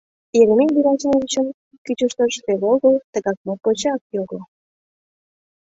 Еремей Герасимович кӱчыштыш веле огыл, тыгак моткочак його.